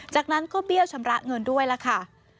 จากนั้นก็เบี้ยวชำระเงินด้วยล่ะค่ะ